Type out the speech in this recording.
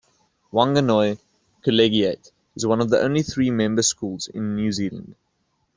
Wanganui Collegiate is one of only three member schools in New Zealand.